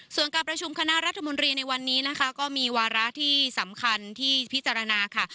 ส่วนการประชุมคณะรัฐมนตรีในวันนี้นะคะก็มีวาระที่สำคัญที่พิจารณาค่ะ